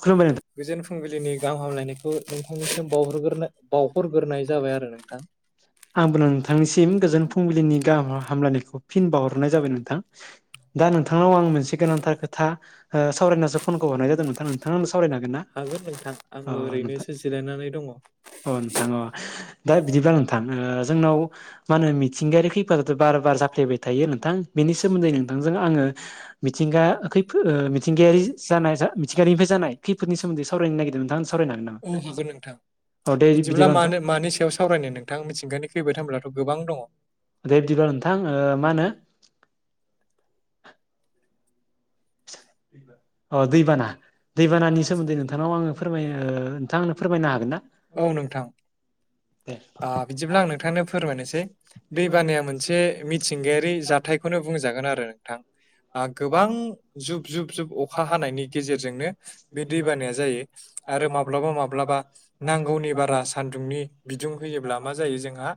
खुलुमबाय नोंथां गोजोन फुंबिलिनि गाहाम हामलायनायखौ नोंथांनिसिम बावहग्रोन बावहरग्रोनाय जाबाय आरो ना [inaudible] आंबो नोंथांनिसिम गोजोन फुंबिलिनि गाहाम हामलायनायखौ फिन बावाहरनाय जाबाय नोंथां दा नोंथांनाव आं मोनसे गोनांथार खोथा सावरायनासो फनखौ हरनाय जादों नोंथां नोंथाङा आंनो सावरायनो ना हागोन नोंथां अ आंङो नोंथां ओरैनोसो जिरायनानै दंङ। अ नोंथां अ दा बिदिबा नोंथां जोंनाव मा होनो मिथिंगायारि खैफोदथ' बार बार जाफ्लेबाय थायो नोंथां बेनि सोमोन्दै नोंथांजों आंङो मिथिंगा खैफो मिथिंगायारि जानाय [unintelligible] जानाय खैफोरदनि सोमोन्दै सावरायनो नागिरदों नोंथां सावरायनो हागोन नामा औ हागोन नोंथां औ दे बिदिब्ला बिदिबा नोंथां मानो मानि सायाव सावरायनो नोंथां मिथिंगायानि खैफोद होनब्लाथ' गोबां दंङ' दे बिब्दिब्ला नोंथां ओ मा होनो [inaudible] अ दैबाना दैबानानि सोमोन्दै नोंथांनाव आङो फोरमाय नोंथां आनो फोरमायनो हागोन ना औ नोंथां दे ओ बिदिब्ला आं नोंथांनो फोरमायनोसै दै बानाया मोनसे मिथिंगायारि जाथा खौनो बुंजागोन आरो नोंथां गोबां जुब जुब जुब अखा हानायनि गेजेरजोंनो बे दैबानाया जायो आरो माब्लाबा माब्लाबा नांगौनि बारा सान्दुंनि बिदुं होयोब्ला मा जायो जोंहा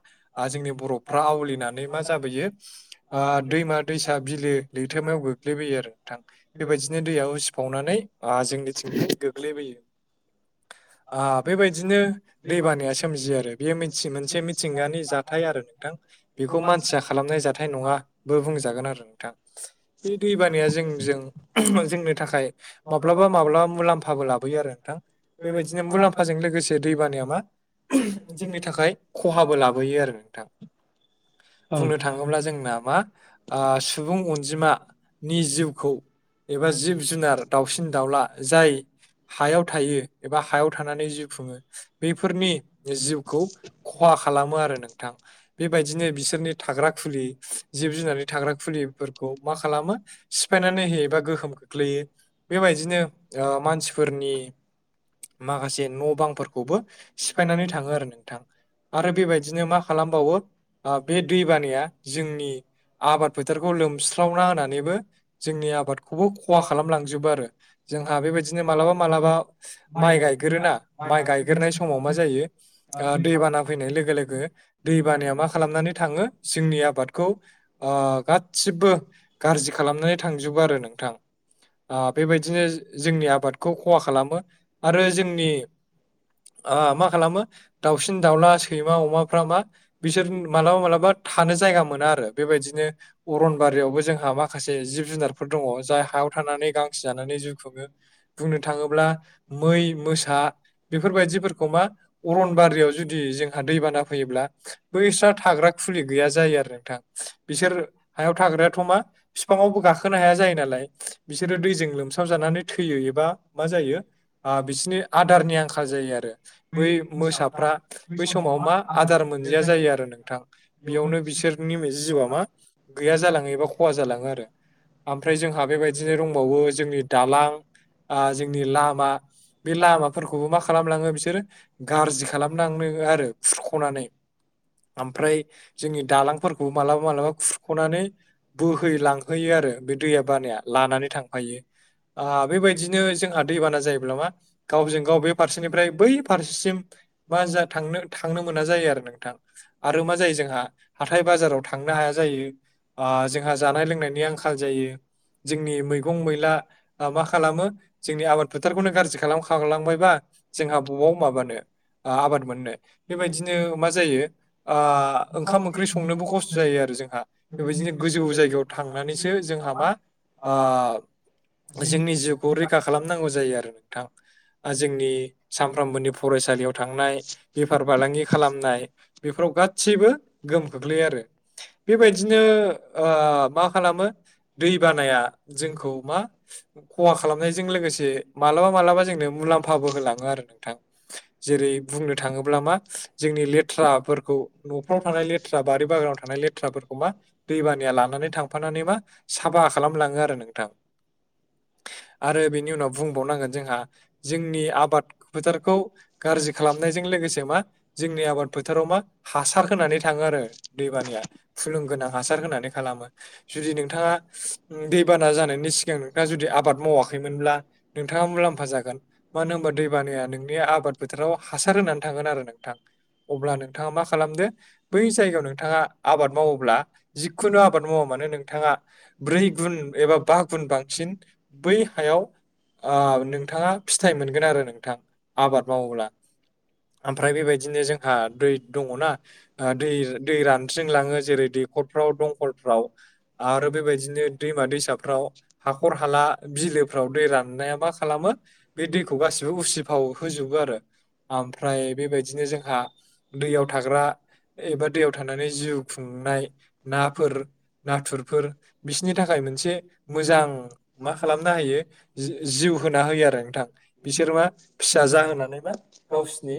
ओ जोंनि बरफफ्रा आवलिनानै मा जाबोयो ओ दैमा दैसा बिलो लैथोमायाव गोग्लैबोयो आरो नोंथां। बेबायदिनो दैयाव उसिफावनानै ओ जोंनिथिंजाय गोग्लैबोयो। ओ बेबायदिनो दै बानाया सो मजियो आरो बेयो मिथियि मोनसे मिथिंगानि जाथाय आरो नोंथां बेखौ मानसिया खालामनाय जाथाय नङा। बो बुंजागोन आरो नोंथां बे दैबानाया जोंजों जोंनि थाखाय माब्लाबा माब्लाबा मुलाम्फाबो लाबोयो आरो नोंथां बेबायदिनो मुलाम्फाजों लोगोसे दैबानाया मा जोंनि थाखाय खहाबो लाबोयो आरो नोंथां [inaudible] बुंनो थाङोब्ला जोंना मा ओ सुबुं अनजिमानि जिउखौ एबा जिब जुनार दाउसिन दाउला जाय हायाव थायो एबा हायाव थानानै जिउ खुङो बेफोरनि जिउखौ खहा खालामो आरो नोंथां बेबायदिनो बिसोरनि थाग्रा खुलि जिब जुनार थाग्रा फुलिफोरखौ मा खालामो सिफायनानै होयोबा गोहोम खोख्लैयो बेबायदिनो ओ मानसिफोरनि माखासे न' बांफोरखौबो सिफायनानै थाङो आरो नोंथां आरो बेबायदिनो मा खालामबावो ओ बे दैबानाया जोंनि आबाद फोथारखौ लोमस्रावना होनानैबो जोंनि आबादखौ खौबो खहा खालामलांजोबो आरो जोंहा बेबायदिनो मालाबा मालाबा माइ गायगोरोना माइ गायग्रोननाय समाव मा जायो ओ दैबाना फैनाय लोगो लोगो दै बानाया मा खालामनानै थाङो जोंनि आबादखौ ओ गासिबो गाज्रि खालामनानै थांजोबो आरो नोंथां। ओ बेबायदिनो जोंनि आबादखौ खहा खालामो आरो जोंनि आ मा खालामो दाउसिन दाउला सैमा अमाफ्रा मा बिसोर मालाबा मालाबा थानो जायगा मोना आरो बेबायदिनो अरनबारियावबो जोंहा माखासे जिब जुनारफोर दङ जाय हायाव थानानै गांसो जानानै जिउ खुङो बुंनो थाङोब्ला मै मोसा बेफोरबायदिफोरखौ मा अरनबारियाव जुदि जोंहा दैबाना फैयोब्ला बैस्रा थाग्रा खुलि गैया जायो आरो नोंथां बिसोर हायाव थाग्रायाथ' मा बिफाङावबो गाखोनो हाया जायोना लाय बिसोरो दैजों लोमसाव जानानै थैयो एबा मा जायो ओ बिसिनि आदारनि आंखाल जायो आरो। बै मोसाफ्रा बै समाव मा आदार मोनजाया जायो आरो नोंथां। बेयावनो बिसोरनि जिउआ मा गैया जालाङो एबा खहा जालाङो आरो ओमफ्राय जोंहा आ बेबायदिनो दंबावो जोंनि दालां आ जोंनि लामा बे लामाफोरखौबो मा खालामलाङो बिसोरो गाज्रि खालामनांनो आरो खुरख'नानै। ओमफ्राय जोंनि दालांफोरखौ मालाबा मालाबा खुरख'नानै बोहैलां होयो आरो बे दैया बानाया लानानै थांफायो। ओ बेबायदिनो जोंहा दैबाना जायोब्ला मा गावजों गाव बे फारसेनिफ्राय बै फारसेसिम बा जोंहा थांनो थांनो मोना जायो आरो नोंथां। आरो मा जायो जोंहा हाथाय बाजाराव थांनो हाया जायो। आ जोंहा जानाय लोंनायनि आंखाल जायो। जोंनि मैगं मैला मा मा खालामो जोंनि आबाद फोथारखौनो गाज्रि खालामखालांबायबा जोंहा बबाव माबानो आ आबाद मोननो बेबायदिनो मा जायो आ ओंखाम ओंख्रि संनोबो खस्थ' जायो आरो जोंहा बेबायदिनो गोजौ जायगायाव थांनानैसो जोंहा मा आ जोंनि जिउखौ रैखा खालामनांगौ जायो आरो नोंथां आ जोंनि सानफ्रामबोनि फरायसालियाव थांनाय बेफार फालांगि खालामनाय बेफोराव गासैबो गोहोम खोख्लैयो आरो बेबायदिनो ओ मा खालामो दै बानाया जोंखौ मा खहा खालामनायजों लोगोसे मालाबा मालाबा जोंनो मुलाम [unintelligible] [unintelligible] जेरै बुंनो थाङोब्ला मा जोंनि ले थ्राफोरखौ न'फ्राव थानाय लेथ्रा बारि बागानाव थानाय लेथ्राफोरखौ मा दैबानाया लानानै थां थांफानानै मा साफा खालामलाङो आरो नोंथां। आरो बिनि उनाव बुंबावनांगोन जोंहा जोंनि आबाद फोथारखौ गारजि खालामनायजों लोगोसे मा जोंनि आबाद फोथाराव मा हासार होनानै थाङो आरो। दैबानाया फुलुं गोनां हासार होनानै खालामो जुदि नोंथाङा दैबाना जानायनि सि गां नोंथाङा जुदि आबाद मावाखैमोनब्ला नोंथाङा मुलाम्फा जागोन मानो होम्बा दै बानाया नोंनि आबाद बोथोराव हासार होनानै थांगोन आरो नोंथां। अब्ला नोंथाङा मा खालामदो बै जायगायाव नोंथाङा आबाद मावोब्ला जिखुनु आबाद मावा मानो नोंथाङा ब्रै गुन एबा बा गुन बांसिन बै हायाव आ नोंथाङा फिथाइ मोनगोन आरो नोंथां आबाद मावोब्ला। ओमफ्राय बेबायदिनो जोंहा दै दङना आ दै दै रानस्रिंलाङो जेरै दै खरफ्राव दंखलफ्राव आरो बेबायदिनो दैमा दैसाफ्राव हाखर हाला बिलोफ्राव दै राननाया मा खालामो बे दैखौ गासि बे उसिफाव होजोबो आरो ओमफ्राय बेबायदिनो जोंहा दैयाव थाग्रा एबा दैयाव थानानै जिउ खुंनाय नाफोर नाथुरफोर बिसनि थाखाय मोनसे मोजां मा खालामनो हायो जि-जिउ होना होयो आरो नोंथां। बिसोर मा फिसा जाहोनानै मा गावसोरनि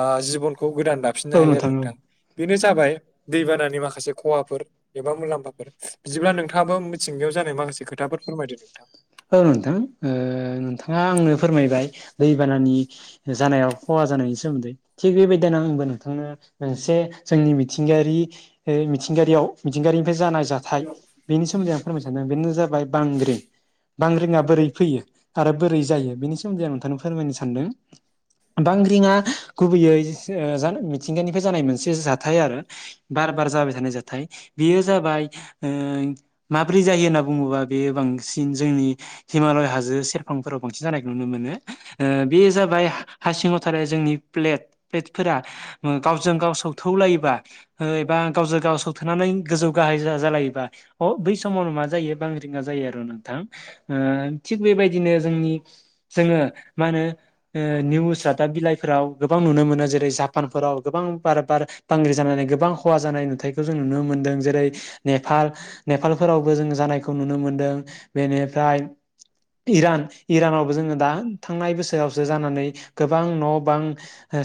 आ जिबनखौ गोदान दाफिननो औ हायो आरो औ नोंथां। बेनो जाबाय दैबानानि माखासे खहाफोर एबा मुलाम्फाफोर बिदिब्ला नोंथाङाबो थिंगायाव जानाय माखासे खोथाफोर फोरमायदो नोंथां। औ नोंथां ओ नोंथाङा आंनो फोरमायबाय दैबानानि जानायाव खहा जानायनि सोमोन्दै थिग बेबायदिनो आंबो नोंथांनो मोनसे जोंनि मिथिंगायारि ओ मिथिंगायारियाव मिथिंगायारिनिफ्राय जानाय जाथाय बेनि सोमोन्दै आं फोरमायनो सानदों बेनो जाबाय बांग्रिं बांग्रिङा बोरै फैयो आरो बोरै जायो बेनि सोमोन्दै आं नोंथांनो फोरमायनो सानदों। बांग्रिंआ गुबैयै ओ जान मिथिंगानिफ्राय जानाय मोनसे जाथाय आरो। बार बार जाबाय थानाय जाथाय। बेयो जाबाय ओ माब्रै जायो होनना बुङोबा बेयो बांसिन जोंनि हिमालय हाजो सेरफांफोराव बांसिन जानायखौ नुनो मोनो। ओ बे जाबाय हा-हासिङाव थानाय जोंनि प्लेट प्लेटफोरा ओ गावजों गाव सौथौ लायोबा ओ एबा गावजों गाव सौथेनानै गोजौ गाहाय जा-जालायोबा अ बै समावनो मा जायो बांग्रिंआ जायो आरो ना। थां ओ थिग बेबायदिनो जोंनि जोङो मा होनो ओ निउस रादाब बिलाइफोराव गोबां नुनो मोनो जेरै जापानफोराव गोबां बार बार बांग्रि जानानै गोबां खहा जानाय नुथायखौ जों नुनो मोन्दों जेरै नेपाल नेपालफोरावबो जों जानायखौ नुनो मोनदों बेनिफ्राय इरान इरानावबो जोङो दा थांनाय बोसोरावसो जानानै गोबां न' बां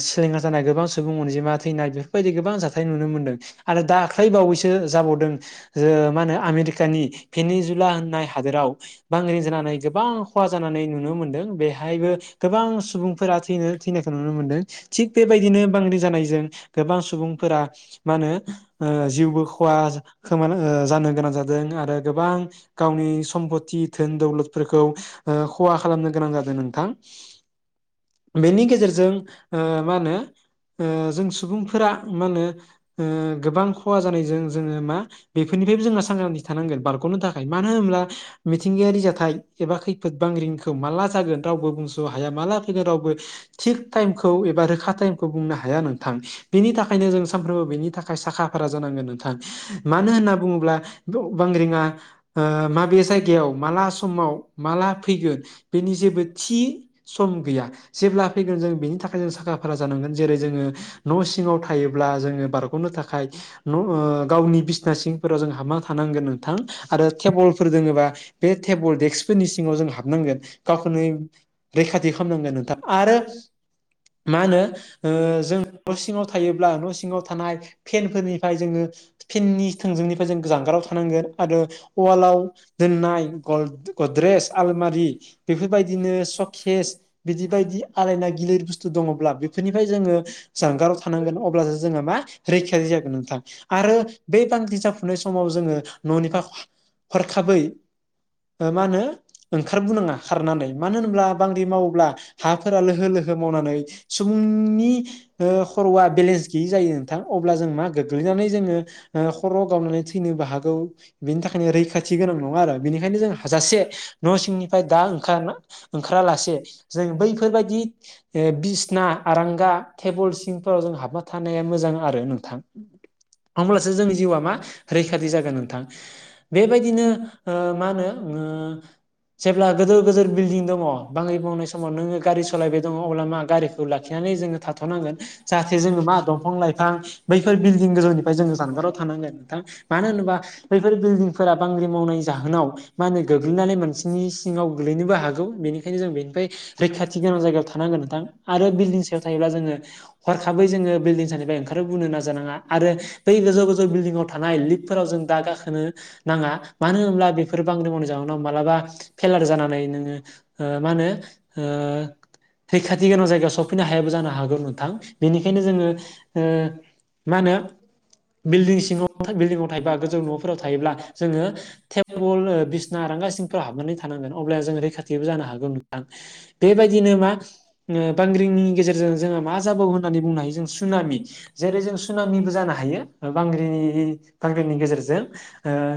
सेंग्रा जानाय गोबां सुबुं अनजिमा थैनाय बेफोरबायदि गोबां जाथाय नुनो मोनदों आरो दाख्लै बावैसो जाबावदों ज मा होनो आमेरिकानि पेनिजुला होननाय हादोराव बांग्रिं जानानै गोबां खहा जानानै नुनो मोन्दों बेहायबो गोबां सुबुंफोरा थैनो थैनायखौ नुनो मोनदों थिग बेबायदिनो बांग्रि जानायजों गोबां सुबुंफोरा मा होनो ओ जिउबो खहा खोमानो जानो गोनां जादों आरो गोबां गावनि सम्प'ति धोन दौलदफोरखौ ओ खहा खालामनो गोनां जादो नोंथां। बेनि गेजेरजों मा होनो जों सुबुंफोरा मा होनो गोबां खहा जानायजों जोङो मा बेफोरनिफ्रायबो जोंहा सांग्रांथि थानांगोन बारग'नो थाखाय मानो होनब्ला मिथिंगायारि जाथाय एबा खैफोद बांग्रिंखौ माला जागोन रावबो बुंस' हाया माला फैगोन रावबो थिग टाइमखौ एबा रोखा टाइमखौ बुंनो हाया नोंथां बिनि थाखायनो जों सानफ्रोमबो बेनि थाखाय साखा फारा जानांगोन न मानो होनना बुङोब्ला बांग्रिंआ ओ मा बे जायगायाव माला समाव माला फैगोन बेनि जेबो थि सम गैया जेब्ला फैगोन जों बेनि थाखाय जों साखा फारा जानांगोन जेरै जोङो न' सिङाव थायोब्ला जोङो बारग'नो थाखाय न' गावनि बिसिना सिंफोराव जों हाबना थानांगोन नोंथां आरो टेबोल फोर दोङोबा बे टेबोल दडेक्सफोरनि सिङाव जों हाबनांगोन गावखौनो रैखाथि खालामनांगोन नोंथां आरो मा होनो ओ जों न' सिङाव थायोब्ला न' सिङाव थानाय फेनफोरनिफ्राय जोङो फेननि थोंजोंनिफ्राय जों जानगाराव थानांगोन आरो ववालाव दोननाय गद्रेस आलमारि बेफोरबायदिनो सकेस बिदि बायदि आलायना गिलिर बुस्थु दङब्ला बेफोरनिफ्राय जोङो जानगाराव थानांगोन अब्लासो जोङहा मा रैखारि जागोन नोंथां आरो बे बांग्रिं जाफुनाय समाव जोङो न'निफ्राय हरखाबै मा होनो ओंखार बोनो नाङा खारनानै मानो होनल्बा बांग्रि मावोब्ला हाफोरा लोहो लोहो मावनानै सुबुंनि खर'आ बेलेन्स गैयि जायो थां अब्ला जों मा गोग्लैनानै जोङो खर' गावनानै थैनोबो हागौ बेनि थाखायनो रैखाथि गोनां नङा आरो बेनिखायनो जों हाजासे न' सिंनिफ्राय दा ओंखार ओंखारालासे जों बैफोरबायाददि बिसना आरांगा जे फल सिंफोराव जों हाबना थानाया मोजां आरो नोंथां होमब्लासो जोंनि जिउआ मा रैखाथि जागोन नोंथां बेबायदिनो मा होनो जेब्ला गोदोर गोदोर बिल्डिं दङ बाङै बावनाय समाव नोङो गारि सालायबाय दङ अब्ला मा गारिखौ लाखिनानै जोङो थाथ'नांगोन जाहाथे जो मा दंफां लाइफां बैफोर बिलदिं गोजौनि फ्राय जो जगाराव थानांगोन नोंथां मानो होनोबा बैफोर बिल्डिं फोरा बांग्रि मावनाय जाहोनाव मा होनो गोग्लैनानै मोनसेनि सिङाव गोग्लैनोबो हागौ बेनिखायनो जों बेनिफ्राय रैखाथि गोनां जायगायाव थानांगोन नोंथां आरो बिल्डं सायाव थायोब्ला जोङो हरखाबै जोङो बिल्डिं सानिफ्राय बुंनो नाजानाङा आरो बै गोजौ गोजौ बिल्डिं आव थानाय लिकफोराव जों दा गाखोनो नाङा मानो होनब्ला बेफोर बांग्रि मावनि जाहोनाव मालाबा फेलार जानानै नोङो मा होनो रैखाथि गोनां जायगायाव सफैनो हायाबो जानो हागौ नोंथां बेनिखायनो जोङो ओ मा होनो बिल्डिं सिङाव बिल्डिंआव थायोबा गोजौ न'फोराव थायोब्ला नोङो थेबोल बिसना आरांगा सिंफोराव हाबनानै थानांगोन अब्ला जोङो रैखाथिबो जानो हागोन बेबायदिनो मा बांग्रिंनि गेजेरजों जोङो मा जाबाव होननानै बुंनो हायो जों सुनामि जेरै जों सुनामिबो जानो हायो बांग्रिनि बांग्रिनि गेजेरजों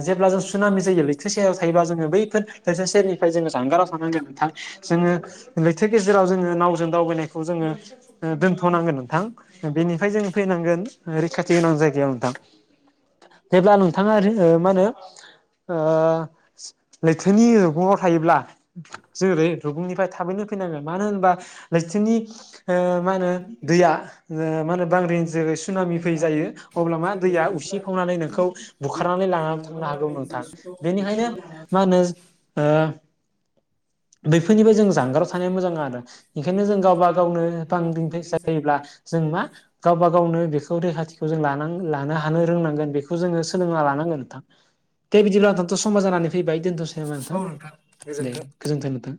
जेब्ला जों सुनामि जायो लैथो सेर थायोब्ला जोङो बैफोर लैथो सेरनिफ्राय जोङो जानगाराव थाननांगोन ना जोङो लैथो गेजेराव जोङो नावजों दावबायनायखौ जोङो दोन्थ'नांगोन नोंथां बेनिफ्राय जों फैनानै रैखाथि गोनां जायगायाव नोंथां जेब्ला नोंथाङा मा होनो लैथोनि रुगुङाव थायोब्ला जों रुगुंनिफ्राय थाबैनो फैनांगोन मानो होनबा लैथोनि मा होनो दैया मा होनो बांग्रि जो सुनामि फै जायो अब्ला मा दैया उसिफावनानै नोंखौ बुखारनानै लाना थांनो हागौ नोंथां बेनिखायनो मा होनो बेफोरनिफ्राय जों जानगाराव थानाया मोजां आरो ओंखायनो जों गावबा गावनो बांग्रिं फैजायोब्ला जों मा गावबा गाव बेखौ रैखाथिखौ जों लानां लानो हानो रोंनांगोन बेखौ जोङो सोलोंना लानांगोन नोंथां दे बिदिब्ला नोंथांथ' समा औ जानानै फैबाय नोंथां गोजोन्थों गोजोनथों नोंथां